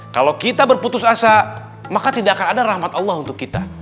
kalau kita berputus asa maka tidak akan ada rahmat allah untuk kita